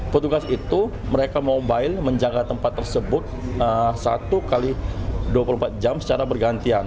petugas itu mereka mobile menjaga tempat tersebut satu x dua puluh empat jam secara bergantian